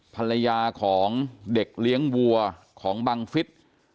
ภรรยาของเด็กเลี้ยงวัวของบังฟิศ